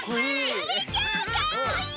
ゆめちゃんかっこいい！